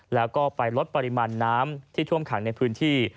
แล้วก็ไปลดปริมาณน้ำที่ท่วมขังในพื้นที่